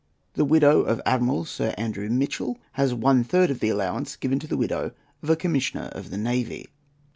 The widow of Admiral Sir Andrew Mitchell has one third of the allowance given to the widow of a Commissioner of the Navy.